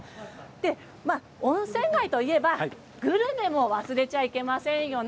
温泉街といえばグルメも忘れてはいけませんよね